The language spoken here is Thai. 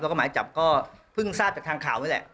แล้วก็หมายจับก็เพิ่งทราบจากทางข่าวนี่แหละ